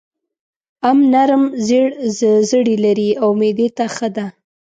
ام نرم زېړ زړي لري او معدې ته ښه ده.